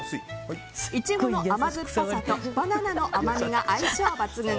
イチゴの甘酸っぱさとバナナの甘みが相性抜群